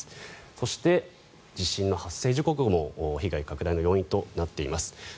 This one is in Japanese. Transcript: そして地震の発生時刻も被害拡大の要因となっています。